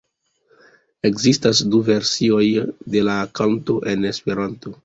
Ekzistas du versioj de la kanto en Esperanto.